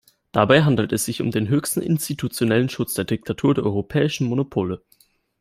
Dabei handelt es sich um den höchsten institutionellen Schutz der Diktatur der europäischen Monopole.